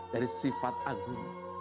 dari sifat agung